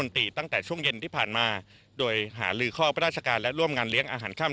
ที่ผ่านมาโดยหาลือข้อประราชการและร่วมงานเลี้ยงอาหารค่ำ